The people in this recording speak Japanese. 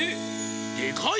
でかい！